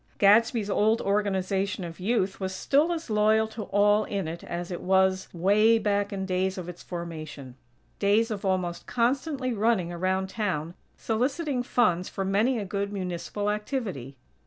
Gadsby's old Organization of Youth was still as loyal to all in it as it was, way back in days of its formation; days of almost constantly running around town, soliciting funds for many a good Municipal activity.